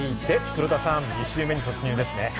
黒田さん、２週目に突入ですね。